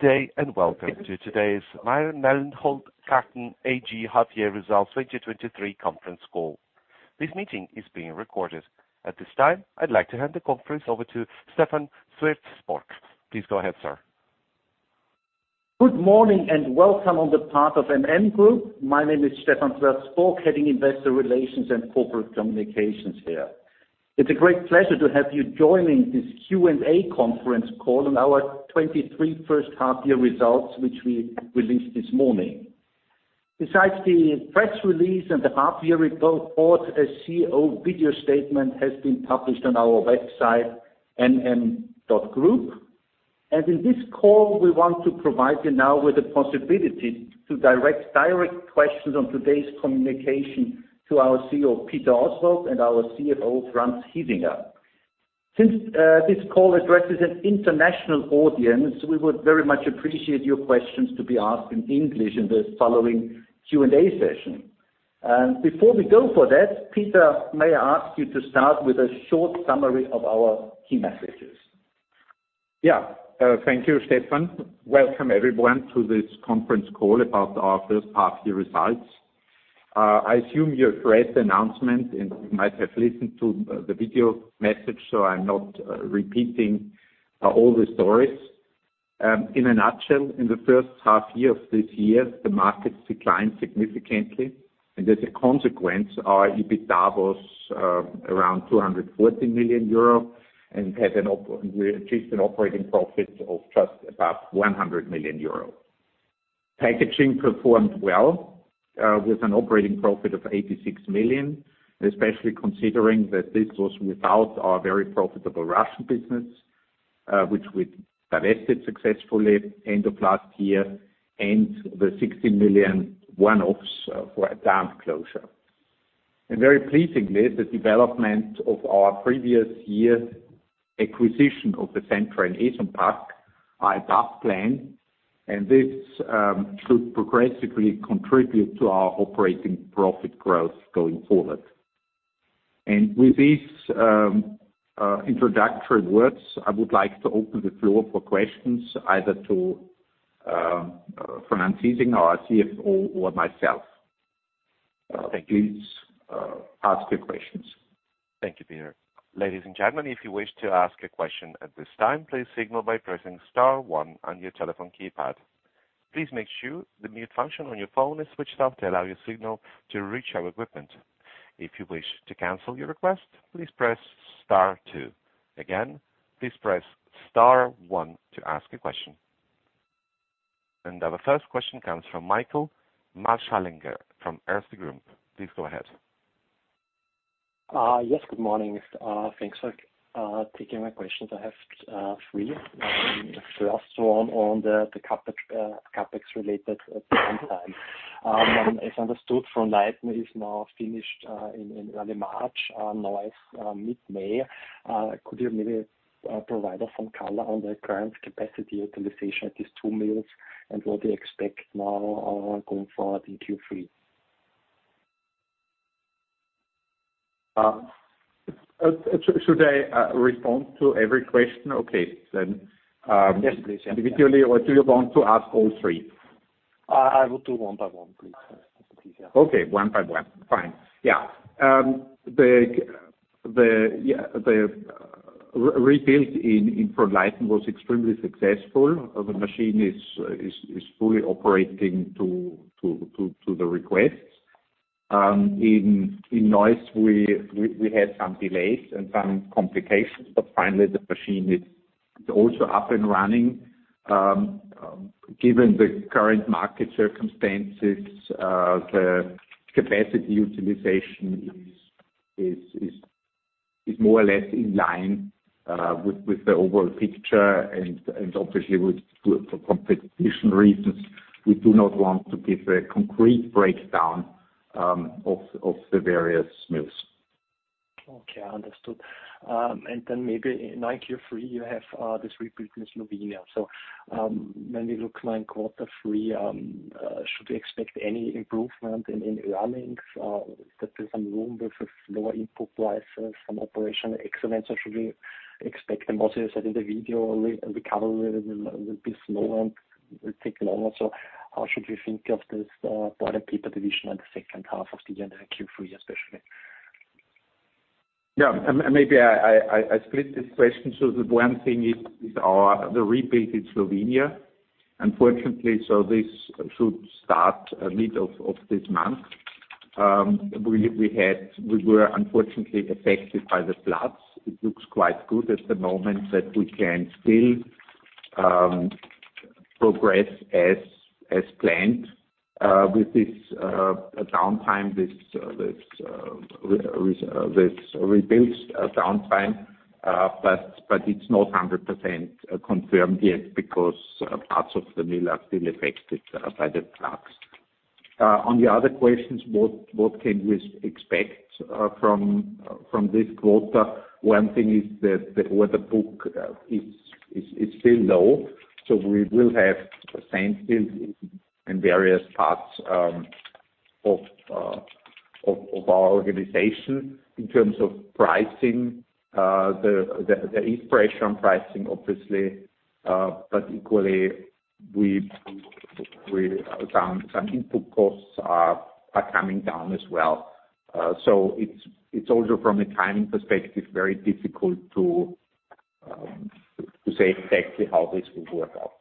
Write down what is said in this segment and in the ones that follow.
Good day, welcome to today's Mayr-Melnhof Karton AG half year results 2023 conference call. This meeting is being recorded. At this time, I'd like to hand the conference over to Stephan Sweerts-Sporck. Please go ahead, sir. Good morning. Welcome on the part of MM Group. My name is Stephan Sweerts-Sporck, Head in Investor Relations and Corporate Communication here. It's a great pleasure to have you joining this Q&A conference call on our 2023 first half year results, which we released this morning. Besides the press release and the half year report, our CEO video statement has been published on our website, mm.group. In this call, we want to provide you now with the possibility to direct questions on today's communication to our CEO, Peter Oswald, and our CFO, Franz Hiesinger. Since this call addresses an international audience, we would very much appreciate your questions to be asked in English in the following Q&A session. Before we go for that, Peter, may I ask you to start with a short summary of our key messages? Yeah, thank you, Stephan. Welcome, everyone, to this conference call about our first half-year results. I assume you've read the announcement, and you might have listened to the video message, so I'm not repeating all the stories. In a nutshell, in the first half-year of this year, the market declined significantly, and as a consequence, our EBITDA was around 240 million euro and we achieved an operating profit of just above 100 million euro. Packaging performed well, with an operating profit of 86 million, especially considering that this was without our very profitable Russian business, which we divested successfully end of last year, and the 60 million one-offs for a plant closure. Very pleasingly, the development of our previous year's acquisition of the Essentra Packaging and Eson Pac are as planned, and this should progressively contribute to our operating profit growth going forward. With these introductory words, I would like to open the floor for questions, either to Franz Hiesinger, our CFO, or myself. Please ask your questions. Thank you, Peter. Ladies and gentlemen, if you wish to ask a question at this time, please signal by pressing star one on your telephone keypad. Please make sure the mute function on your phone is switched off to allow your signal to reach our equipment. If you wish to cancel your request, please press star two. Again, please press star one to ask a question. Our first question comes from Michael Marschallinger from Erste Group. Please go ahead. Yes, good morning. Thanks for taking my questions. I have three. The first one on the CapEx, CapEx related at the same time. As understood, Frohnleiten is now finished in early March, now it's mid-May. Could you maybe provide us some color on the current capacity utilization at these two mills and what they expect now going forward in Q3? Should I respond to every question? Okay, then... Yes, please. Individually, or do you want to ask all three? I will do one by one, please. Okay, one by one. Fine. Yeah. The rebuild in Frohnleiten was extremely successful. The machine is fully operating to the requests. In Neuss, we had some delays and some complications. Finally, the machine is also up and running. Given the current market circumstances, the capacity utilization is more or less in line with the overall picture. Obviously, for competition reasons, we do not want to give a concrete breakdown of the various mills. Okay, understood. Then maybe in Q3, you have this rebuilding Slovenia. When we look now in Q3, should we expect any improvement in earnings, that there's some room with lower input prices, some operational excellence, or should we expect, and also you said in the video, recovery will be slower and will take longer. How should we think of this board and paper division in the second half of the year, and in Q3 especially? Maybe I, I, I, I split this question. The one thing is, is the rebuild in Slovenia. Unfortunately, this should start mid of, of this month. We, we were unfortunately affected by the floods. It looks quite good at the moment that we can still progress as, as planned with this downtime, this this rebuild downtime, but, but it's not 100% confirmed yet, because parts of the mill are still affected by the floods. On the other questions, what, what can we expect from this quarter? One thing is that the order book is, is, is still low, so we will have the same still in various parts... of, of, of our organization in terms of pricing, the, the, the inspiration pricing, obviously, but equally, we, we found some input costs are, are coming down as well. It's, it's also from a timing perspective, very difficult to say exactly how this will work out.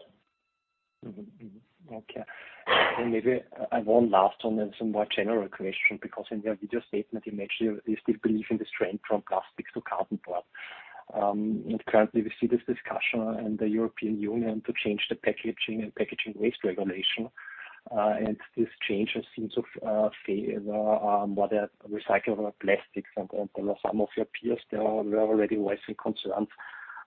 Mm-hmm, mm-hmm. Okay. Maybe I one last one and some more general question, because in your video statement, you mentioned you still believe in the strength from plastics to cartonboard. Currently, we see this discussion in the European Union to change the Packaging and Packaging Waste Regulation. This change has seems of favor more recyclable plastics. Some of your peers, they are already voicing concerns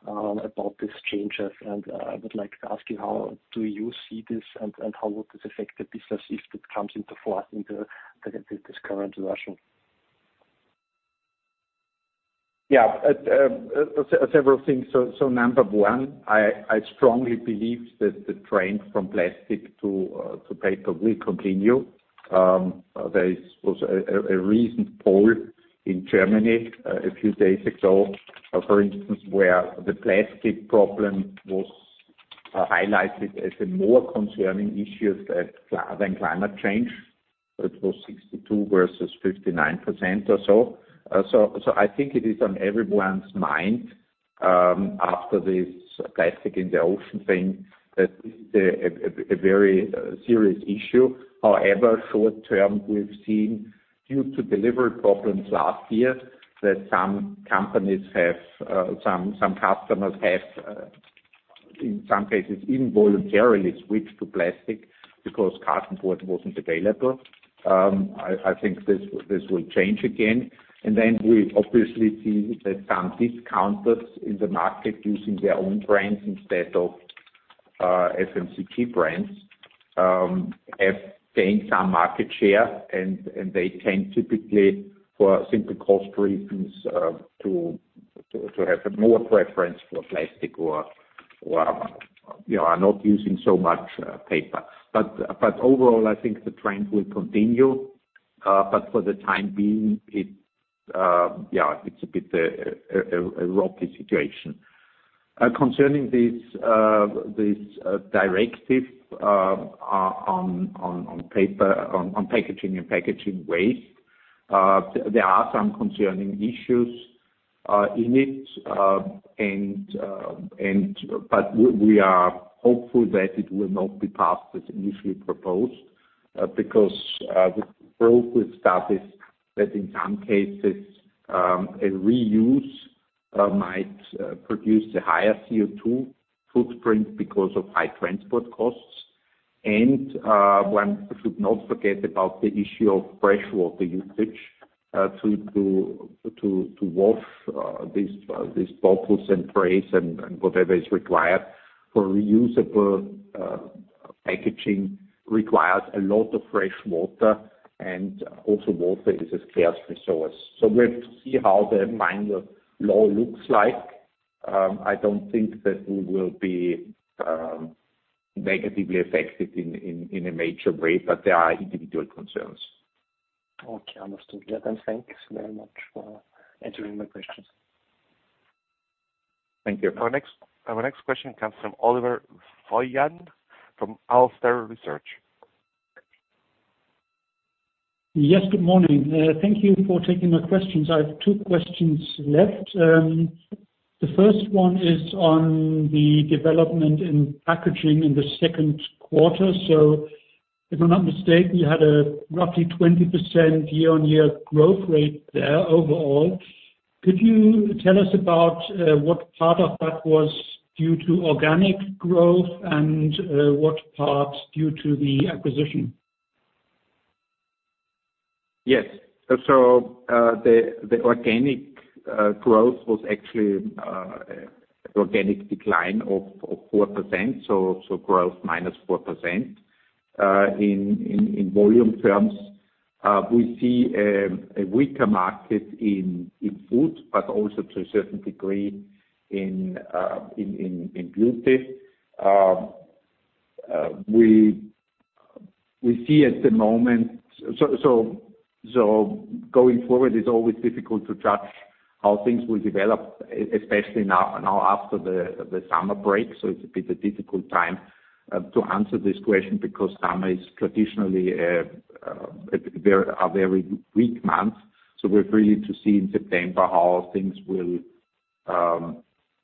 about these changes. I would like to ask you, how do you see this, and how would this affect the business if it comes into force in this current version? Yeah. Several things. Number one, I, I strongly believe that the trend from plastic to paper will continue. There is was a recent poll in Germany a few days ago, for instance, where the plastic problem was highlighted as a more concerning issue than climate change. It was 62% versus 59% or so. I think it is on everyone's mind, after this plastic in the ocean thing, that this is a very serious issue. However, short-term, we've seen, due to delivery problems last year, that some companies have, some customers have, in some cases, involuntarily switched to plastic because cartonboard wasn't available. I think this, this will change again. We obviously see that some discounters in the market using their own brands instead of FMCG brands have gained some market share, and they tend typically, for simple cost reasons, to, to, to have more preference for plastic or, you know, are not using so much paper. Overall, I think the trend will continue, but for the time being, it, yeah, it's a bit a, a rocky situation. Regulation in the European Union, wood costs in regions like Poland and Finland, and market conditions in the Nordics. The company has also addressed operational aspects, such as delays in Neuss and the strategic decision to close a plant in Germany. Franz Hiesinger serves as CFO, and Peter Oswal] Okay, understood. Yeah, thanks very much for answering my questions. Thank you. Our next, our next question comes from Oliver Wojahn from AlsterResearch. Yes, good morning. Thank you for taking my questions. I have two questions left. The first one is on the development in packaging in the second quarter. If I'm not mistaken, you had a roughly 20% year-on-year growth rate there overall. Could you tell us about what part of that was due to organic growth and what part due to the acquisition? Yes. The, the organic growth was actually organic decline of, of 4%, so growth minus 4%. In, in, in volume terms, we see a weaker market in, in food, but also to a certain degree in, in, in beauty. We, we see at the moment. Going forward, it's always difficult to judge how things will develop, especially now, now after the, the summer break. It's a bit a difficult time to answer this question, because summer is traditionally a very, a very weak month. We're willing to see in September how things will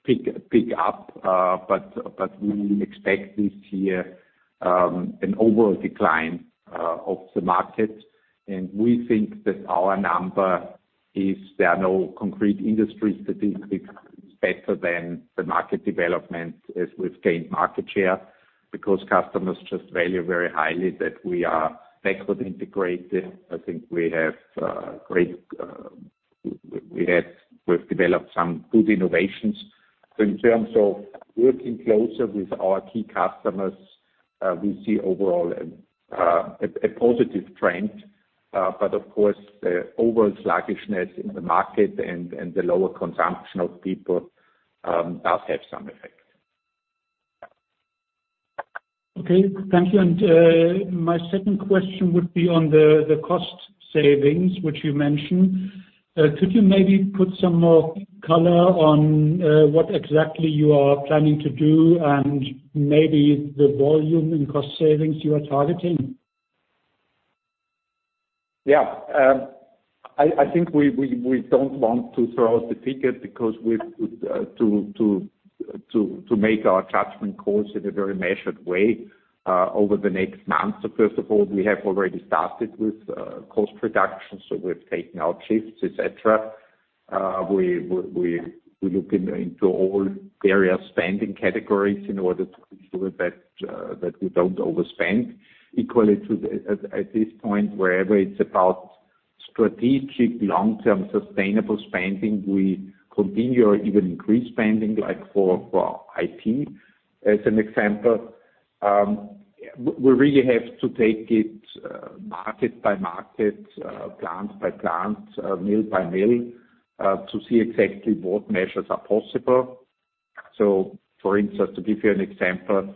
pick up. But we expect this year an overall decline of the market. We think that our number is, there are no concrete industry statistics better than the market development, as we've gained market share, because customers just value very highly that we are backward integrated. I think we have, great, we've developed some good innovations. In terms of working closer with our key customers, we see overall a positive trend. Of course, the overall sluggishness in the market and the lower consumption of people, does have some effect. Okay, thank you. My second question would be on the, the cost savings, which you mentioned. Could you maybe put some more color on, what exactly you are planning to do, and maybe the volume in cost savings you are targeting? Yeah. I think we don't want to throw out the ticket because we've to make our judgment calls in a very measured way over the next months. First of all, we have already started with cost reduction, so we've taken out shifts, et cetera. We looking into all various spending categories in order to ensure that we don't overspend. Equally, at this point, wherever it's about strategic, long-term, sustainable spending, we continue or even increase spending, like for IT, as an example. We really have to take it market by market, plant by plant, mill by mill to see exactly what measures are possible. For instance, to give you an example,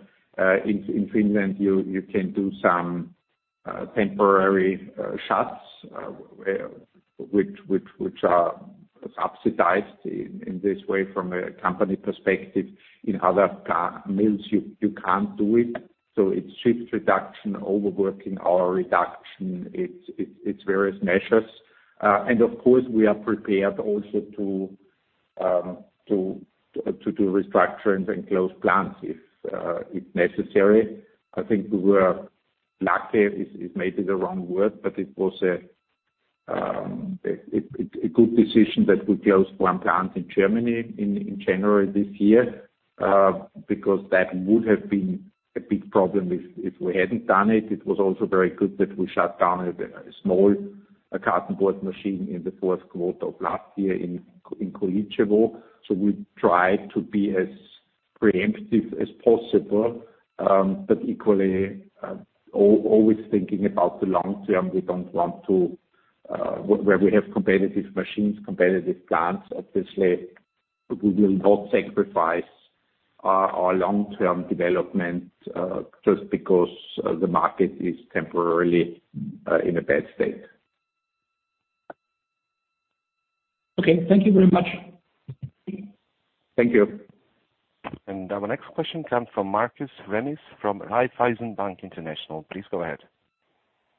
in, in Finland, you, you can do some temporary shuts, which, which, which are subsidized in, in this way from a company perspective. In other mills, you, you can't do it, so it's shift reduction, overworking or reduction. It's, it's, it's various measures. And of course, we are prepared also to do restructurings and close plants if necessary. I think we were, lucky is, is maybe the wrong word, but it was a good decision that we closed one plant in Germany in January this year, because that would have been a big problem if, if we hadn't done it. It was also very good that we shut down a small cartonboard machine in the fourth quarter of last year in Gernsbach. We try to be as preemptive as possible, but equally always thinking about the long term. We don't want to, where we have competitive machines, competitive plants, obviously, we will not sacrifice our long-term development just because the market is temporarily in a bad state. Okay. Thank you very much. Thank you. Our next question comes from Markus Remis from Raiffeisen Bank International. Please go ahead.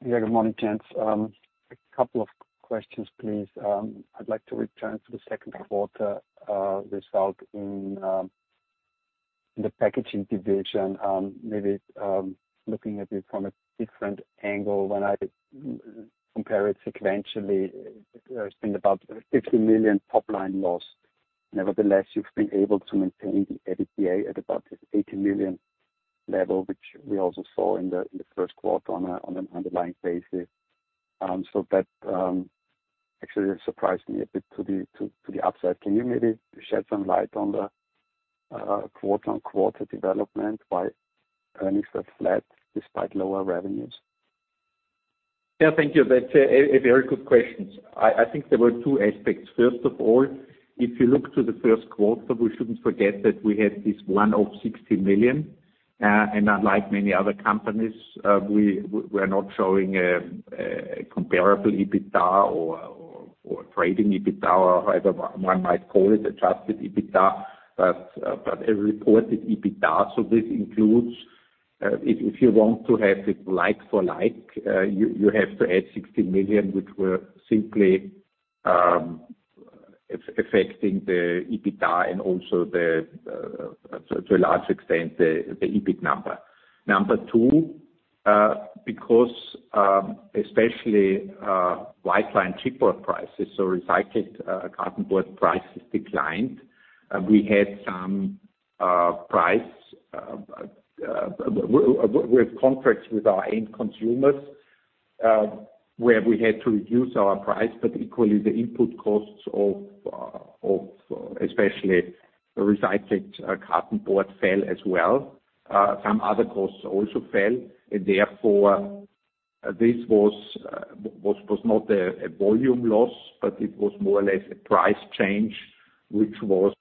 Yeah, good morning, gents. A couple of questions, please. I'd like to return to the second quarter result in the packaging division. Maybe looking at it from a different angle, when I compare it sequentially, it's been about 50 million top line loss. Nevertheless, you've been able to maintain the EBITDA at about 80 million level, which we also saw in the first quarter on an underlying basis. That actually surprised me a bit to the to to the upside. Can you maybe shed some light on the quarter-on-quarter development, why earnings are flat despite lower revenues? Yeah, thank you. That's a very good question. I think there were two aspects. First of all, if you look to the first quarter, we shouldn't forget that we had this one of 60 million, unlike many other companies, we're not showing a comparable EBITDA or trading EBITDA, or however one might call it, adjusted EBITDA, but a reported EBITDA. This includes, if you want to have it like for like, you have to add 60 million, which were simply affecting the EBITDA and also, to a large extent, the EBIT number. Number two, because especially lifeline cheaper prices, so recycled cartonboard prices declined. We had some price with contracts with our end consumers where we had to reduce our price. Equally, the input costs of especially recycled cartonboard fell as well. Some other costs also fell. Therefore, this was not a volume loss, but it was more or less a price change, which was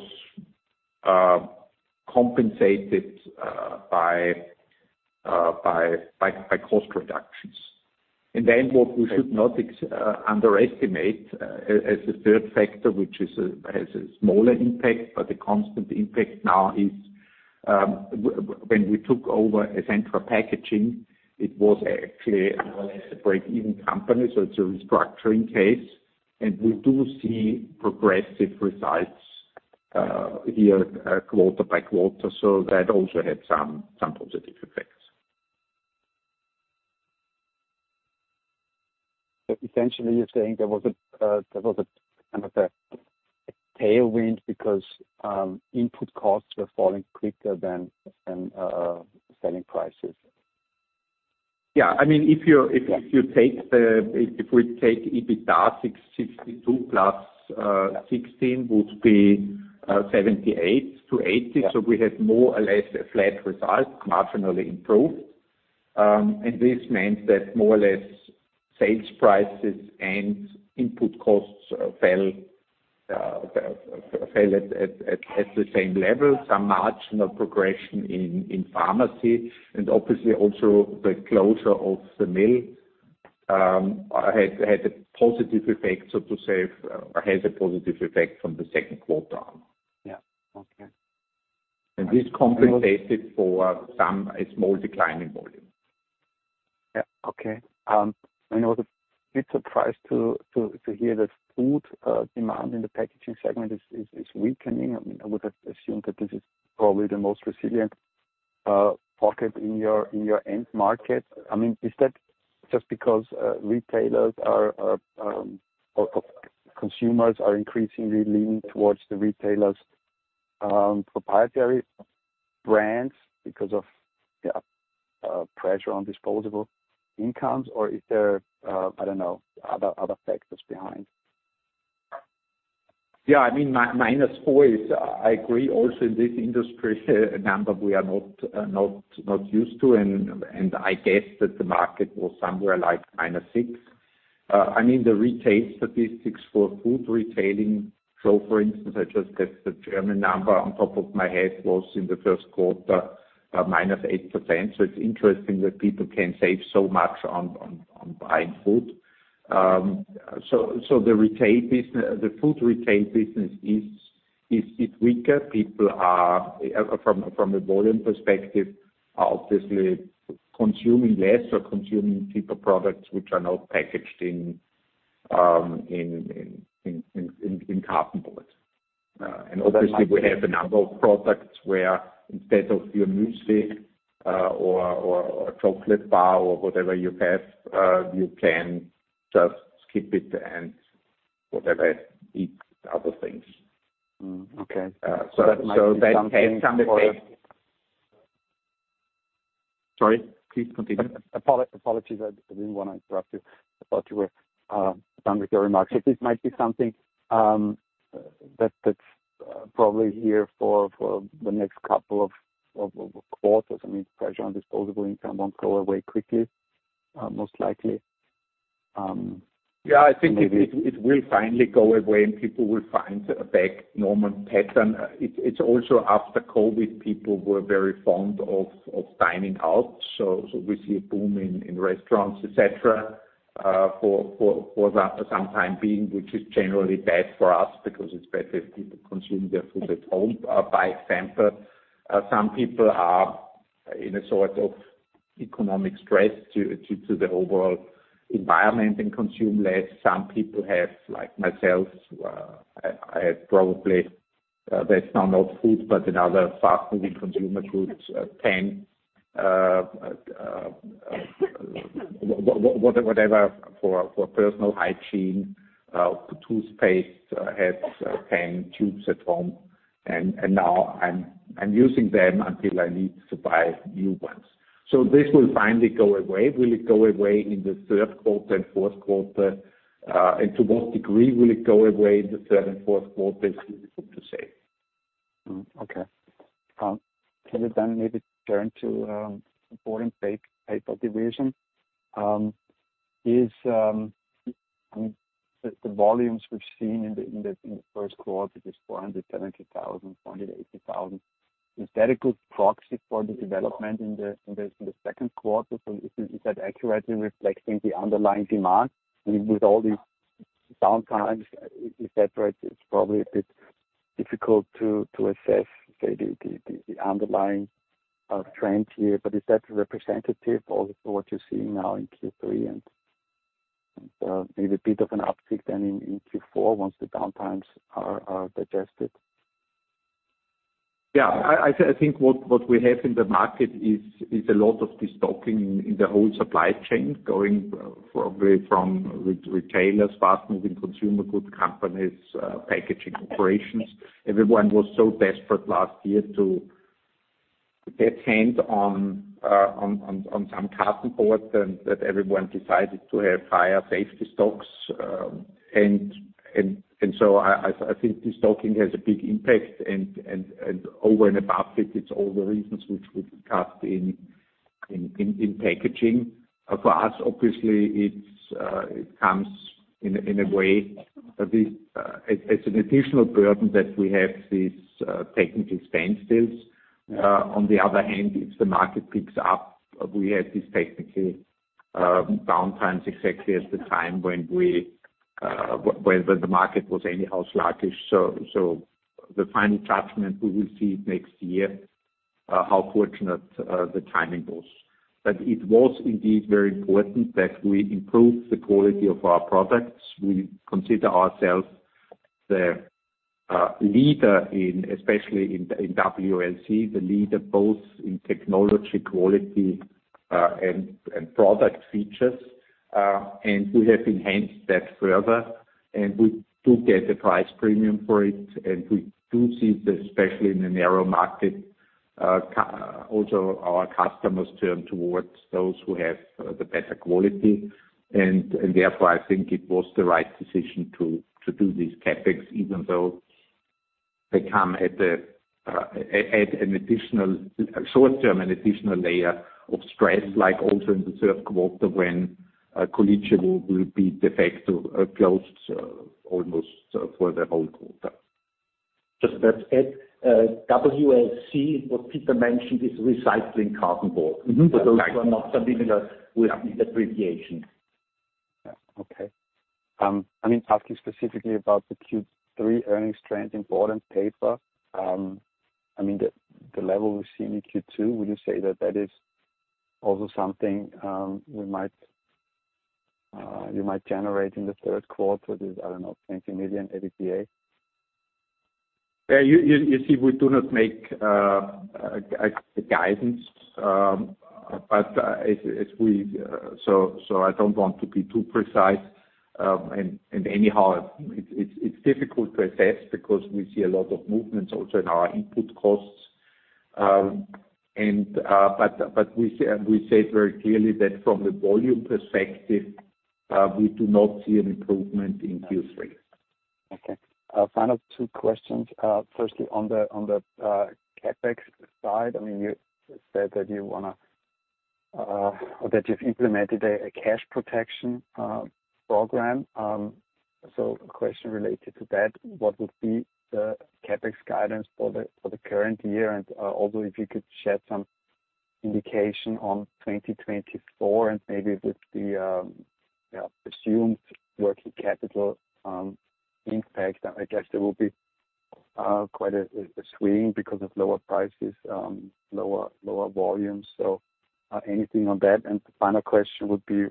compensated by cost reductions. What we should not underestimate as a third factor, which is a, has a smaller impact, but a constant impact now is when we took over Essentra Packaging, it was actually more or less a break-even company, so it's a restructuring case, and we do see progressive results here quarter by quarter. That also had some, some positive effects. essentially, you're saying there was a, kind of a tailwind because, input costs were falling quicker than, than, selling prices? Yeah. I mean, if you- Yeah. If you take the, if, if we take EBITDA 62 million + 16 million would be 78 million-80 million. Yeah. We have more or less a flat result, marginally improved. This means that more or less sales prices and input costs fell, fell, at, at, at, at the same level, some marginal progression in, in pharmacy, and obviously also the closure of the mill had, had a positive effect, so to say, has a positive effect from the second quarter on. Yeah. Okay. This compensated for a small decline in volume. Yeah. Okay. I know, a bit surprised to hear that food demand in the packaging segment is weakening. I mean, I would have assumed that this is probably the most resilient pocket in your end market. I mean, is that just because retailers are or consumers are increasingly leaning towards the retailers' proprietary brands because of, yeah, pressure on disposable incomes? Or is there, I don't know, other factors behind? Yeah, I mean, -4 is, I agree also in this industry, a number we are not, not used to, and I guess that the market was somewhere like -6. I mean, the retail statistics for food retailing, so for instance, I just get the German number on top of my head, was in the first quarter, minus 8%. It's interesting that people can save so much on buying food. The retail business, the food retail business is weaker. People are, from a volume perspective, are obviously consuming less or consuming cheaper products which are not packaged in cartonboards. Obviously, we have a number of products where instead of your muesli, or, or a chocolate bar or whatever you have, you can just skip it and whatever, eat other things. Mm. Okay. That has some effect. Sorry, please continue. Apologies, I, I didn't want to interrupt you. I thought you were done with your remarks. This might be something that's, that's probably here for the next couple of quarters. I mean, pressure on disposable income won't go away quickly, most likely. Yeah, I think it will finally go away, and people will find a back normal pattern. It's also after COVID, people were very fond of dining out, so we see a boom in restaurants, et cetera, for the some time being, which is generally bad for us because it's better if people consume their food at home. By example, some people are in a sort of economic stress due to the overall environment and consume less. Some people have, like myself, I have probably there's not food, but another fast-moving consumer goods, 10 whatever, for personal hygiene, toothpaste has 10 tubes at home, and now I'm using them until I need to buy new ones. This will finally go away. Will it go away in the third quarter and fourth quarter? To what degree will it go away in the third and fourth quarter, is difficult to say. Okay. Can we maybe turn to MM Board & Paper Division? Is, I mean, the volumes we've seen in the first quarter is 470,000, 480,000. Is that a good proxy for the development in the second quarter? Is that accurately reflecting the underlying demand with all these downtimes, is that right? It's probably a bit difficult to assess, say, the underlying trend here, but is that representative of what you're seeing now in Q3, and maybe a bit of an uptick then in Q4 once the downtimes are digested? Yeah. I think what we have in the market is a lot of destocking in the whole supply chain, going probably from retailers, fast-moving consumer goods companies, packaging operations. Everyone was so desperate last year to get their hands on some cartonboards, everyone decided to have higher safety stocks. I think destocking has a big impact, over and above it, it's all the reasons which we discussed in packaging. For us, obviously, it comes in a way, as an additional burden that we have these technical expense bills. On the other hand, if the market picks up, we have these technically downtimes exactly as the time when we, when the market was anyhow sluggish. The final judgment, we will see it next year, how fortunate the timing was. It was indeed very important that we improved the quality of our products. We consider ourselves the leader in, especially in, in WLC, the leader both in technology, quality, and product features. We have enhanced that further, and we do get a price premium for it, and we do see that especially in the narrow market, also our customers turn towards those who have the better quality. Therefore, I think it was the right decision to do these CapEx, even though. They come at the, at an additional, short-term, an additional layer of stress, like also in the third quarter, when Količevo will be de facto closed almost for the whole quarter. Just that's at, WLC, what Peter mentioned, is recycled cartonboard. Mm-hmm. For those who are not familiar... Yeah. with the abbreviation. Yeah. Okay. I mean, asking specifically about the Q3 earnings trend in Board and Paper, I mean, the level we see in Q2, would you say that that is also something we might, you might generate in the third quarter, that is, I don't know, 20 million EBITDA? Yeah, you, you, you see, we do not make a guidance, but I don't want to be too precise. Anyhow, it's, it's, it's difficult to assess because we see a lot of movements also in our input costs. We said very clearly that from the volume perspective, we do not see an improvement in Q3. Okay. Final two questions. Firstly, on the CapEx side, I mean, you said that you want to, or that you've implemented a cash protection program. A question related to that, what would be the CapEx guidance for the current year? Although if you could share some indication on 2024 and maybe with the, yeah, assumed working capital impact, I guess there will be quite a swing because of lower prices, lower volumes. Anything on that? The final question would be,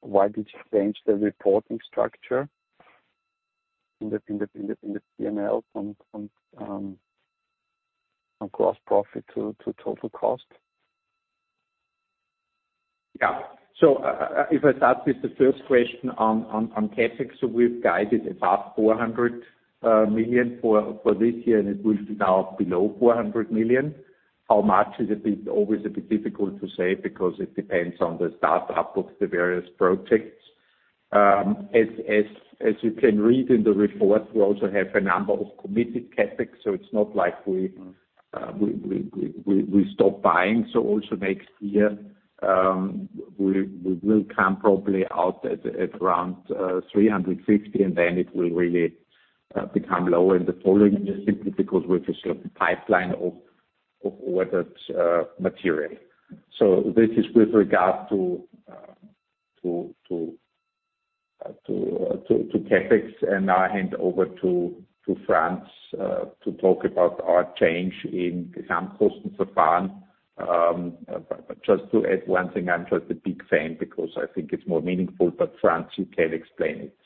why did you change the reporting structure in the PNL from gross profit to total cost? Yeah. So, if I start with the first question on, on, on CapEx, so we've guided above 400 million for, for this year, and it will be now below 400 million. How much is a bit, always a bit difficult to say because it depends on the startup of the various projects. As, as, as you can read in the report, we also have a number of committed CapEx, so it's not like we, we, we, we, we stop buying. Also next year, we, we will come probably out at, at around, 350 million, and then it will really, become lower in the following years, simply because we just have a pipeline of, of, whether it's, material. This is with regard to, to, to, to CapEx, and I hand over to, to Franz, to talk about our change in Gesamtkostenverfahren. But just to add one thing, I'm just a big fan because I think it's more meaningful, but Franz, you can explain it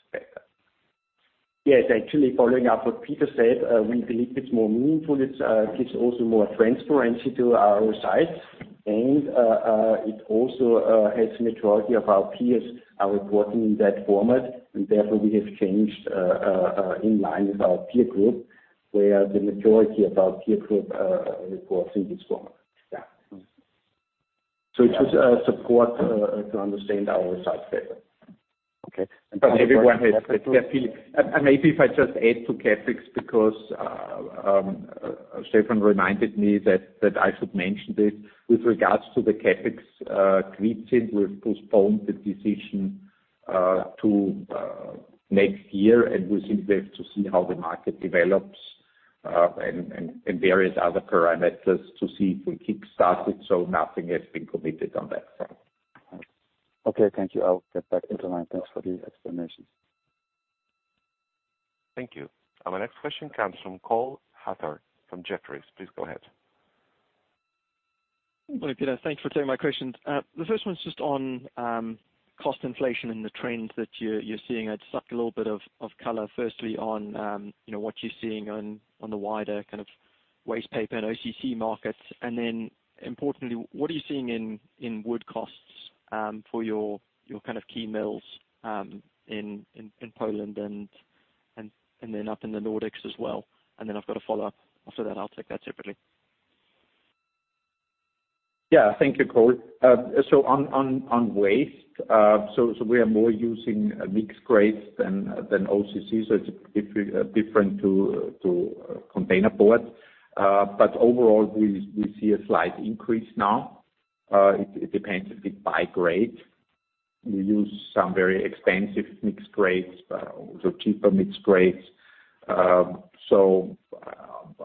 better. Yes, actually, following up what Peter said, we believe it's more meaningful. It gives also more transparency to our results. It also helps the majority of our peers are reporting in that format, and therefore, we have changed in line with our peer group, where the majority of our peer group reports in this format. Yeah. It was support to understand our results better. Okay. Everyone has. Maybe if I just add to CapEx, because Stefan reminded me that I should mention this. With regards to the CapEx, we've said we've postponed the decision to next year, and we think we have to see how the market develops, and, and, and various other parameters to see if we kickstart it, so nothing has been committed on that front. Okay. Thank you. I'll get back into line. Thanks for the explanations. Thank you. Our next question comes from Cole Hathorn from Jefferies. Please go ahead. Well, Peter, thanks for taking my questions. The first one's just on cost inflation and the trends that you're, you're seeing. I'd suck a little bit of color, firstly, on, you know, what you're seeing on the wider kind of wastepaper and OCC markets. Importantly, what are you seeing in wood costs for your kind of key mills in Poland and then up in the Nordics as well? I've got a follow-up after that. I'll take that separately. Yeah. Thank you, Cole. On, on, on waste, so, so we are more using mixed grades than, than OCC, so it's different to, to containerboard. Overall, we, we see a slight increase now. It, it depends a bit by grade. We use some very expensive mixed grades, but also cheaper mixed grades.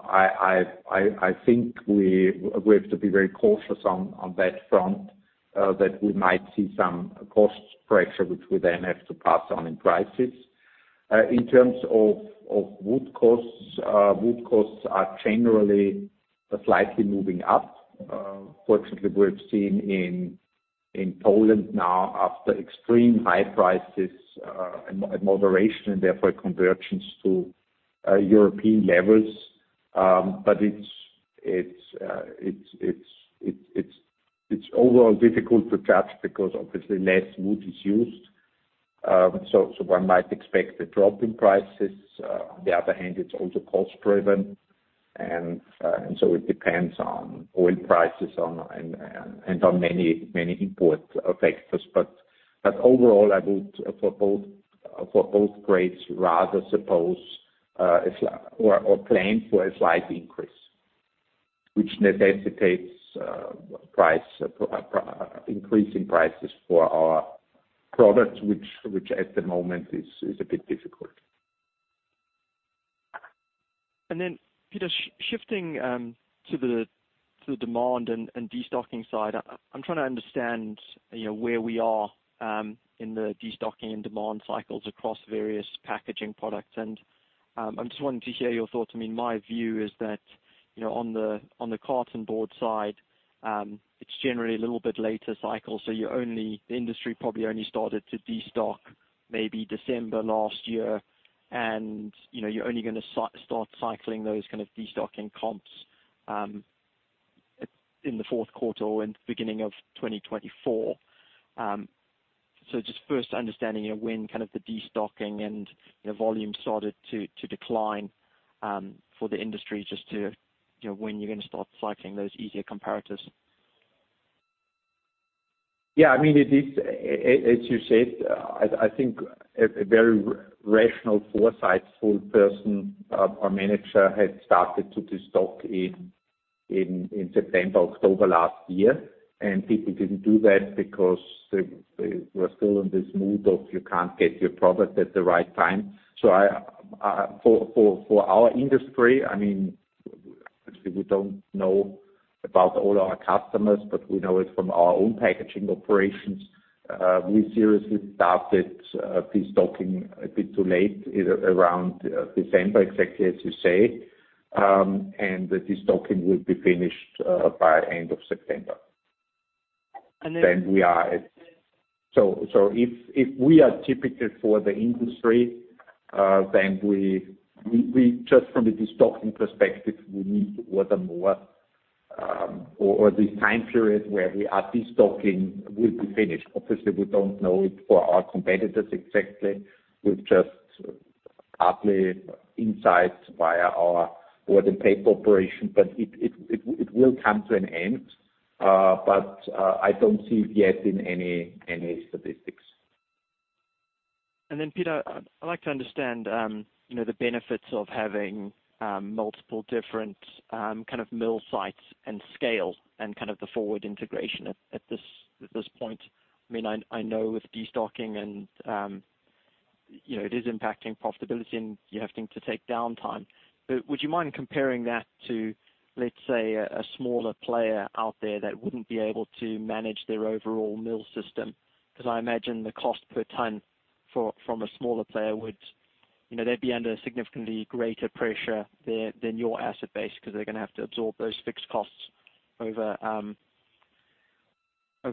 I, I, I, I think we, we have to be very cautious on, on that front, that we might see some cost pressure, which we then have to pass on in prices. In terms of, of wood costs, wood costs are generally slightly moving up. Fortunately, we've seen in, in Poland now, after extreme high prices, a moderation and therefore convergences to European levels. It's, it's, it's, it's, it's overall difficult to judge because obviously less wood is used. So one might expect a drop in prices. On the other hand, it's also cost-driven, and, and so it depends on oil prices, on, and, and on many, many import effects. Overall, I would, for both, for both grades rather suppose, a slight or, or claim for a slight increase, which necessitates, price, pr- pr- increasing prices for our products, which, which at the moment is, is a bit difficult. Peter, shifting to the, to the demand and, and destocking side, I, I'm trying to understand, you know, where we are, in the destocking and demand cycles across various packaging products. I just wanted to hear your thoughts. I mean, my view is that, you know, on the, on the cartonboard side, it's generally a little bit later cycle, so you only the industry probably only started to destock maybe December last year. You know, you're only gonna start cycling those kind of destocking comps, in the fourth quarter or in the beginning of 2024. Just first understanding, you know, when kind of the destocking and, you know, volume started to, to decline, for the industry, just to, you know, when you're gonna start cycling those easier comparatives. Yeah, I mean, it is, as you said, I, I think a very rational, foresightful person, or manager had started to destock in, in, in September, October last year. People didn't do that because they, they were still in this mood of you can't get your product at the right time. I, for, for, for our industry, I mean, obviously, we don't know about all our customers, but we know it from our own packaging operations. We seriously started destocking a bit too late, either around December, exactly as you say, and the destocking will be finished by end of September. Then- We are at. If, if we are typical for the industry, then we, we, we just from a destocking perspective, we need water more, or, or the time period where we are destocking will be finished. Obviously, we don't know it for our competitors exactly. We've just partly insights via our order pick operation, but it, it, it, it will come to an end. I don't see it yet in any, any statistics. Then, Peter, I'd like to understand, you know, the benefits of having multiple different kind of mill sites and scale and kind of the forward integration at, at this, at this point. I mean, I, I know with destocking and, you know, it is impacting profitability, and you're having to take downtime. Would you mind comparing that to, let's say, a smaller player out there that wouldn't be able to manage their overall mill system? Because I imagine the cost per ton from a smaller player would, you know, they'd be under significantly greater pressure than, than your asset base, because they're gonna have to absorb those fixed costs over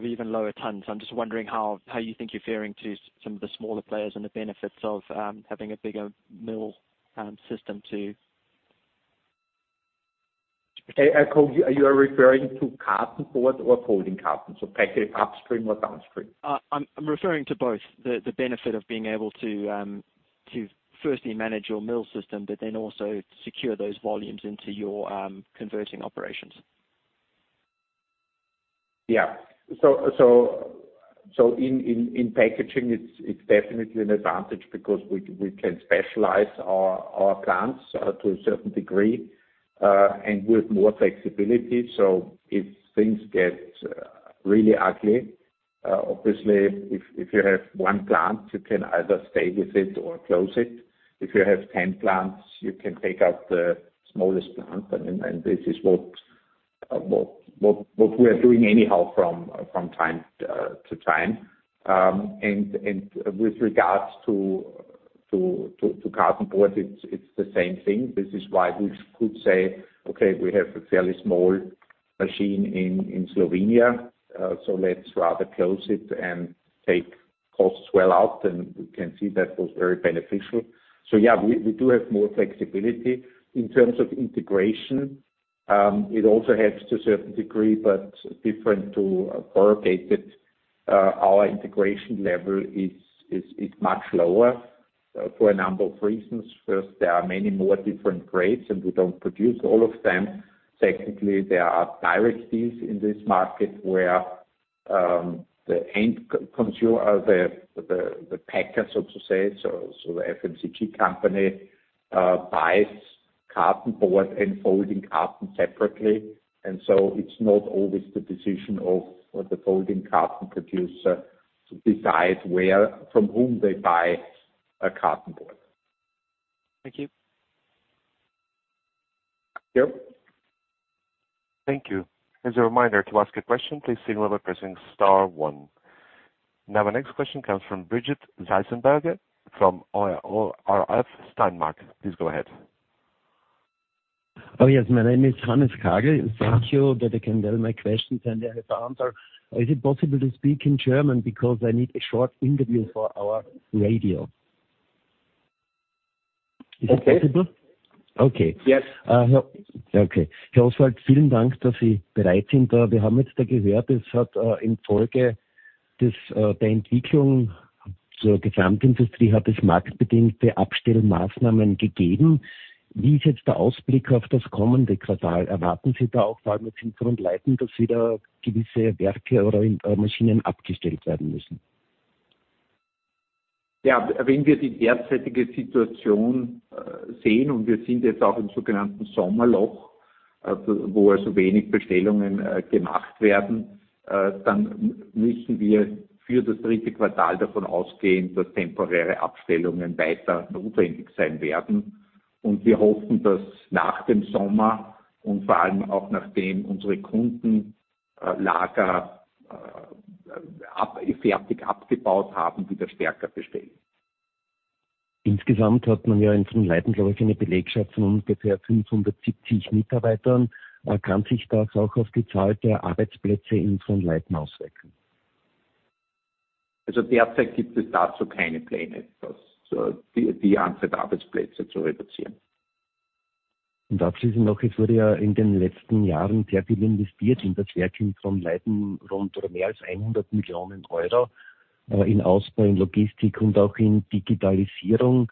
even lower tons. I'm just wondering how, how you think you're fearing to some of the smaller players and the benefits of having a bigger mill system to? Cole, are you referring to carton board or folding carton, so package upstream or downstream? I'm, I'm referring to both. The, the benefit of being able to, to firstly manage your mill system, but then also secure those volumes into your, converting operations. Yeah. So, so, so in, in, in packaging, it's, it's definitely an advantage because we, we can specialize our, our plants, to a certain degree, and with more flexibility. If things get really ugly, obviously, if, if you have one plant, you can either stay with it or close it. If you have 10 plants, you can take out the smallest plant, and, and this is what, what, what, what we are doing anyhow from time to time. With regards to, to, to, to cartonboard, it's, it's the same thing. This is why we could say, "Okay, we have a fairly small machine in, in Slovenia, so let's rather close it and take costs well out." We can see that was very beneficial. Yeah, we, we do have more flexibility. In terms of integration, it also helps to a certain degree, but different to corrugated, our integration level is, is, is much lower, for a number of reasons. First, there are many more different grades, and we don't produce all of them. Secondly, there are directories in this market where the end co- consumer, the, the, the packer, so to say, so, so the FMCG company, buys carton board and folding carton separately. It's not always the decision of the folding carton producer to decide where, from whom they buy a carton board. Thank you. Thank you. Thank you. As a reminder, to ask a question, please signal by pressing star one. Our next question comes from Birgit Zeiselberger from ORF Steinmark. Please go ahead. Oh, yes, my name is Hannes Gsell. Ah. Thank you, that I can tell my questions, and I have the answer. Is it possible to speak in German because I need a short interview for our radio? Okay. Is it possible? Okay. Yes. Okay.... zur Gesamtindustrie hat es marktbedingte Abstellmaßnahmen gegeben. Wie ist jetzt der Ausblick auf das kommende Quartal? Erwarten Sie da auch vor allem mit Frohnleiten, dass wieder gewisse Werke oder Maschinen abgestellt werden müssen? Ja, wenn wir die derzeitige Situation sehen und wir sind jetzt auch im sogenannten Sommerloch, wo also wenig Bestellungen gemacht werden, dann müssen wir für das 3rd quarter davon ausgehen, dass temporäre Abstellungen weiter notwendig sein werden. Wir hoffen, dass nach dem Sommer und vor allem auch nachdem unsere Kunden Lager, fertig abgebaut haben, wieder stärker bestellen. Insgesamt hat man ja in Frohnleiten, glaube ich, eine Belegschaft von ungefähr 570 Mitarbeitern. Kann sich das auch auf die Zahl der Arbeitsplätze in Frohnleiten auswirken? Derzeit gibt es dazu keine Pläne, das, die, die Anzahl der Arbeitsplätze zu reduzieren. Abschließend noch: Es wurde ja in den letzten Jahren sehr viel investiert in das Werk in Frohnleiten, rund oder mehr als 100 million euro, in Ausbau, in Logistik und auch in Digitalisierung.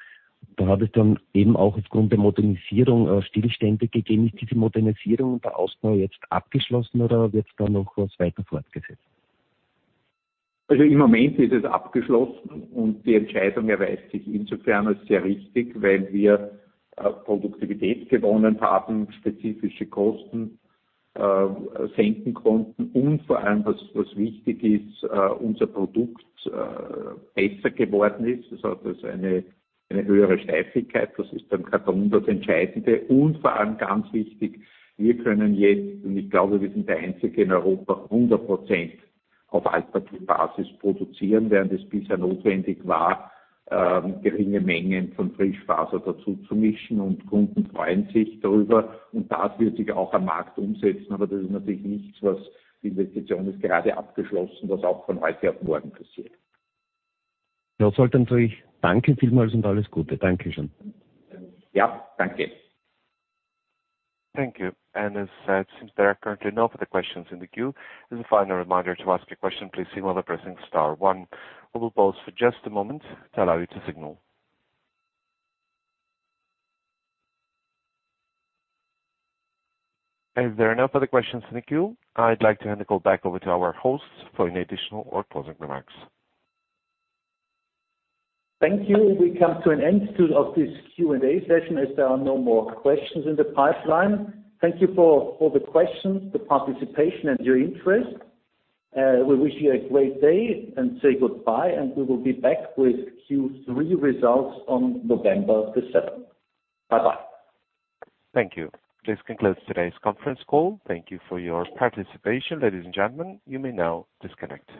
Da hat es dann eben auch aufgrund der Modernisierung, Stillstände gegeben. Ist diese Modernisierung und der Ausbau jetzt abgeschlossen oder wird da noch was weiter fortgesetzt? Im Moment ist es abgeschlossen und die Entscheidung erweist sich insofern als sehr richtig, weil wir Produktivität gewonnen haben, spezifische Kosten senken konnten und vor allem, was, was wichtig ist, unser Produkt besser geworden ist. Das hat also eine, eine höhere Steifigkeit. Das ist beim Karton das Entscheidende. Vor allem ganz wichtig: Wir können jetzt, und ich glaube, wir sind der Einzige in Europa, 100% auf Altpapierbasis produzieren, während es bisher notwendig war, geringe Mengen von Frischfaser dazu zu mischen. Kunden freuen sich darüber und das wird sich auch am Markt umsetzen. Das ist natürlich nichts, was die Investition ist gerade abgeschlossen, was auch von heute auf morgen passiert. Ja, Solt, natürlich danke vielmals und alles Gute. Danke schön. Ja, danke! Thank you. As said, since there are currently no further questions in the queue, as a final reminder to ask a question, please signal by pressing star one. We will pause for just a moment to allow you to signal. As there are no further questions in the queue, I'd like to hand the call back over to our hosts for any additional or closing remarks. Thank you. We come to an end to of this Q&A session as there are no more questions in the pipeline. Thank you for the questions, the participation and your interest. We wish you a great day and say goodbye, we will be back with Q3 results on November 7th. Bye bye. Thank you. This concludes today's conference call. Thank you for your participation, ladies and gentlemen, you may now disconnect.